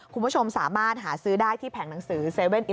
คุณผู้ชมสามารถหาซื้อได้ที่แผงหนังสือ๗๑๑